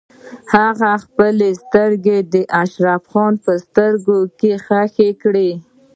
هغې خپلې سترګې د اشرف خان په سترګو کې ښخې کړې.